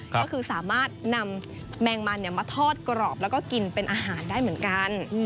ก็คือสามารถนำแมงมันมาทอดกรอบแล้วก็กินเป็นอาหารได้เหมือนกัน